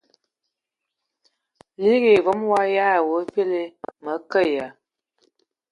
Liigi hm e vom o ayǝan ai wa vili. Mǝ ke ya !